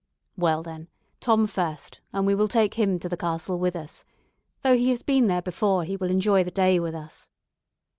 "Well, then, Tom first, and we will take him to the castle with us. Though he has been there before, he will enjoy the day with us.